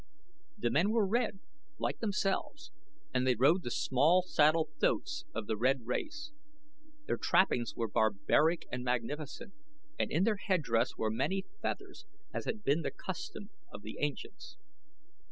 The men were red, like themselves, and they rode the small saddle thoats of the red race. Their trappings were barbaric and magnificent, and in their head dress were many feathers as had been the custom of ancients.